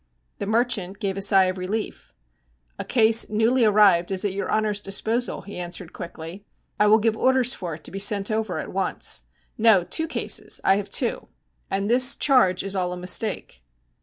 The merchant gave a sigh of relief. 'A case newly arrived is at your honour's disposal,' he answered quickly. 'I will give orders for it to be sent over at once. No, two cases I have two. And this charge is all a mistake.'